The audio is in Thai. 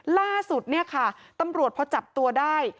ล่าสุดเนี่ยค่ะตำรวจพอจับตัวได้